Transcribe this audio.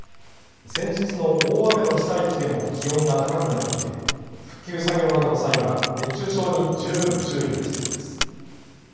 先日の大雨の被災地でも気温が高くなっていて復旧作業などの際は熱中症に十分注意が必要です。